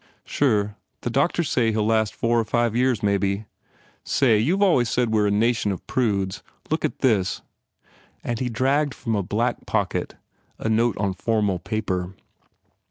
"Sure. The doctors say he ll last four or five years, maybe. Say you ve always said we re a na tion of prudes. Look at this," and he dragged from a black pocket a note on formal paper.